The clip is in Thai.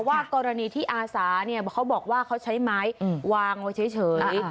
ว่ากรณีที่อาสาเขาบอกว่าเขาใช้ไม้วางไว้เฉย